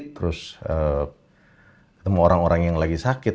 terus ketemu orang orang yang lagi sakit